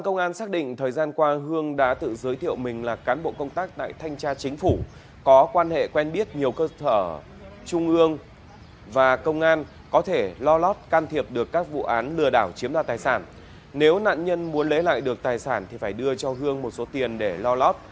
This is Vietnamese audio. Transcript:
nếu nạn nhân muốn lấy lại được tài sản thì phải đưa cho hương một số tiền để lo lót